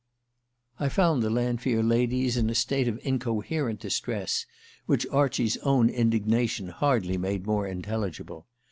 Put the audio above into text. I found the Lanfear ladies in a state of incoherent distress, which Archie's own indignation hardly made more intelligible.